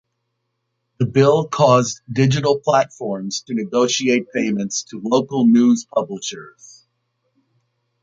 The bill caused digital platforms to negotiate payments to local news publishers.